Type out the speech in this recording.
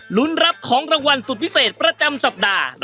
ลุ้นรับของรางวัลสุดพิเศษประจำสัปดาห์